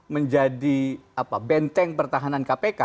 menjadi benteng pertahanan kpk